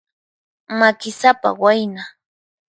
Makisapa wayna.